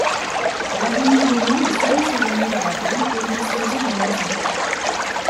Vladimir Lénine a souvent séjourné dans la ville et y disposait d'une maison.